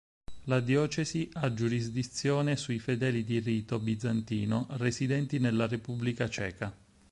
La diocesi ha giurisdizione sui fedeli di rito bizantino residenti nella Repubblica Ceca.